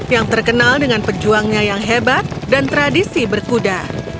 yang terkenal dengan pejuangnya yang hebat dan tradisi berkuda